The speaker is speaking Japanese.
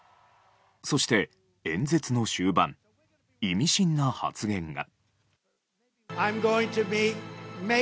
そして演説の終盤意味深な発言が。